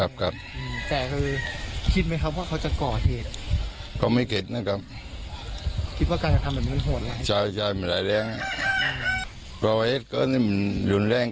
มันทำเกินกว่าเฮ็ดมันบุกเข้ามาในบ้านแล้วยิงนะ